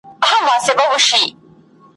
له پېړیو د نړۍ کاروان تیریږي `